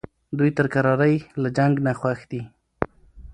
دوی تر کرارۍ له جنګ نه خوښ دي.